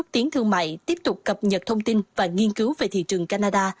xúc tiến thương mại tiếp tục cập nhật thông tin và nghiên cứu về thị trường canada